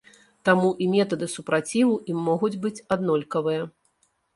Таму і метады супраціву ім могуць быць аднолькавыя.